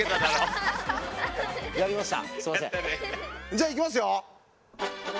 じゃあいきますよ。